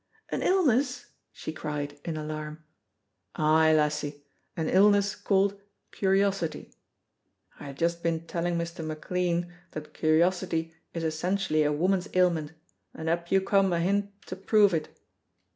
"An illness!" she cried, in alarm. "Ay, lassie, an illness called curiosity. I had just been telling Mr. McLean that curiosity is essentially a woman's ailment, and up you come ahint to prove it."